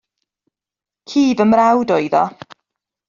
Ci fy mrawd oedd o.